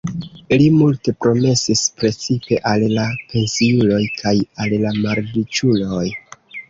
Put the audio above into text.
Li multe promesis precipe al la pensiuloj kaj al la malriĉuloj.